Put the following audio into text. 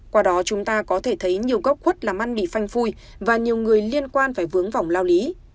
quả đó chúng ta có thể thấy nhiều góc quất làm ăn bị phanh phui và nhiều người liên quan phải vướng vỏng lao lý